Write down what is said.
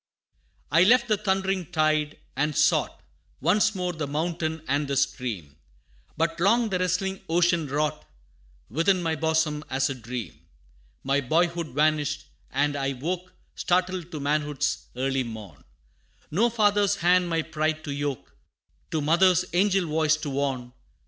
XII. "I left the thundering tide, and sought Once more the mountain and the stream; But long the wrestling ocean wrought Within my bosom: as a dream My boyhood vanished, and I woke Startled to manhood's early morn; No father's hand my pride to yoke, No mother's angel voice to warn.